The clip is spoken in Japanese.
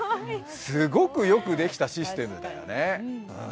すごくよくできたシステムだよね。